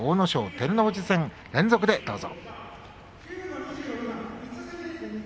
照ノ富士戦、連続でどうぞ。